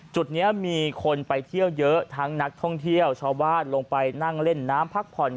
จุดนี้มีคนไปเที่ยวเยอะทั้งนักท่องเที่ยวชาวบ้านลงไปนั่งเล่นน้ำพักผ่อน